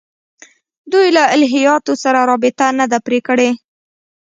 دوی له الهیاتو سره رابطه نه ده پرې کړې.